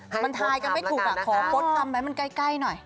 ให้โพสต์คำแล้วกันนะคะมันทายกันไม่ถูกขอโพสต์คำไว้มันใกล้หน่อย